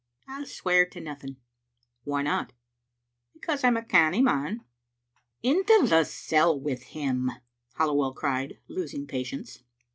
I'll swear to nothing/* "Why not?" " Because I'm a canny man." "Into the cell with him," Halliwell cried, losing patience.